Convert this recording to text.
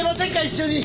一緒に！